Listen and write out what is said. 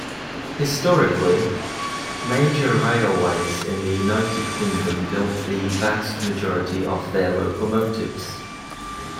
Historically, major railways in the United Kingdom built the vast majority of their locomotives.